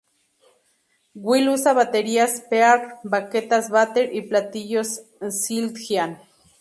Will usa baterías Pearl, baquetas Vater y platillos Zildjian.